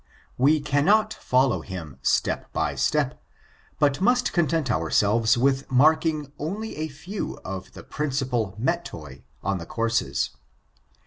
We cannot follow him step by st^, but must content ourselves with marking only a few of the principal meta on the courses.